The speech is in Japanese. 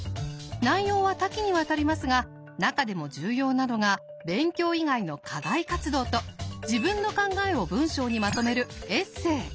内容は多岐にわたりますが中でも重要なのが勉強以外の課外活動と自分の考えを文章にまとめるエッセー。